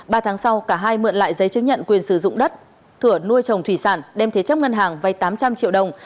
ba tháng sau cả hai mượn lại giấy chứng nhận quyền sử dụng đất thửa nuôi trồng thủy sản đem thế chấp ngân hàng vay tám trăm linh triệu đồng